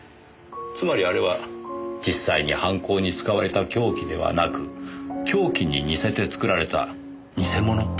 つまりあれは実際に犯行に使われた凶器ではなく凶器に似せて作られた偽物という事になります。